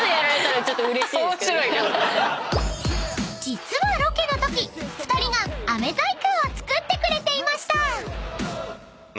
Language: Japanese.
［実はロケのとき２人があめ細工を作ってくれていました］